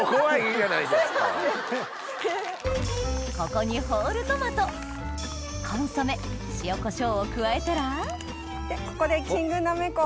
ここにホールトマトコンソメ塩コショウを加えたらここでキングなめこ。